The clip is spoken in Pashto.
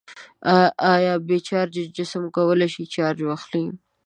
آیا بې چارجه جسم کولی شي چارج واخلي؟